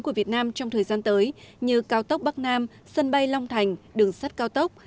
của việt nam trong thời gian tới như cao tốc bắc nam sân bay long thành đường sắt cao tốc